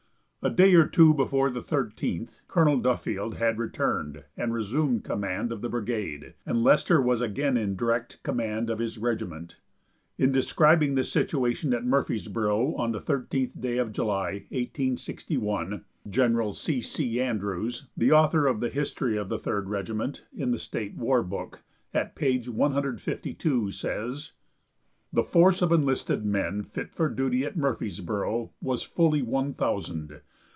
A day or two before the 13th Colonel Duffield had returned and resumed command of the brigade, and Lester was again in direct command of his regiment. In describing the situation at Murfreesboro on the thirteenth day of July, 1861, Gen. C. C. Andrews, the author of the "History of the Third Regiment," in the state war book, at page 152, says: "The force of enlisted men fit for duty at Murfreesboro was fully one thousand.